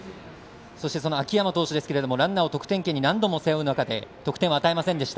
その秋山投手ですがランナーを得点圏に何度も背負う中で得点を与えませんでした。